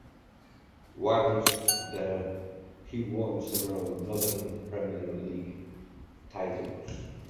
Whilst there, he won several Northern Premier League titles.